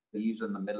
di bagian tengah